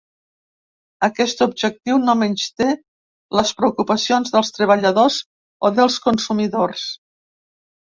Aquest objectiu no menysté les preocupacions dels treballadors o dels consumidors.